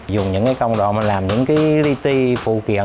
dùng những cái công đoạn mình làm những cái li ti phụ kiện